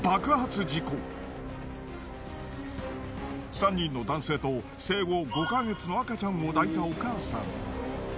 ３人の男性と生後５ヵ月の赤ちゃんを抱いたお母さん。